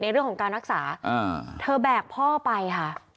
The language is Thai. เรื่องของการรักษาเธอแบกพ่อไปค่ะ